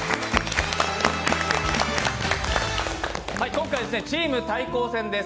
今回、チーム対抗戦です。